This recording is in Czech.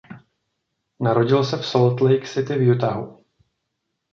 Narodil se v Salt Lake City v Utahu.